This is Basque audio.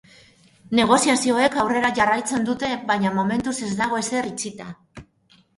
Negoziazioek aurrera jarraitzen dute, baina, momentuz, ez dago ezer itxita.